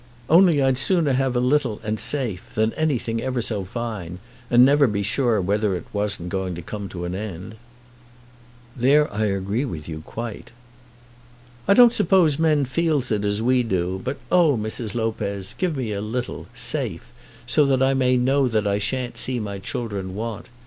Only I'd sooner have a little and safe, than anything ever so fine, and never be sure whether it wasn't going to come to an end." "There I agree with you, quite." "I don't suppose men feels it as we do; but, oh, Mrs. Lopez, give me a little, safe, so that I may know that I shan't see my children want.